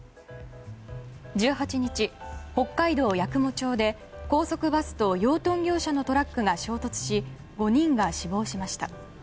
１８日、北海道八雲町で高速バスと養豚業者のトラックが衝突し５人が死亡しました。